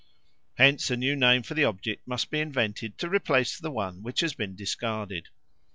Hence a new name for the object must be invented to replace the one which has been discarded.